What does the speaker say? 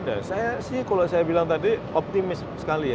dan saya sih kalau saya bilang tadi optimis sekali ya